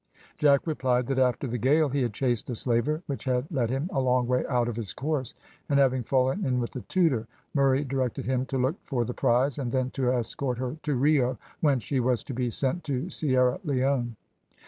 Jack replied that after the gale he had chased a slaver, which had led him a long way out of his course, and having fallen in with the Tudor, Murray directed him to look for the prize, and then to escort her to Rio, whence she was to be sent to Sierra Leone.